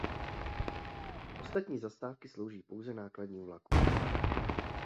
Ostatní zastávky slouží pouze nákladním vlakům.